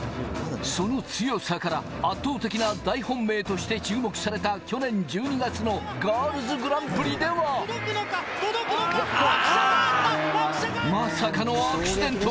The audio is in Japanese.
その強さから圧倒的な大本命として注目された去年１２月のガールズグランプリでは、まさかのアクシデント。